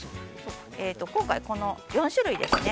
今回この４種類ですね。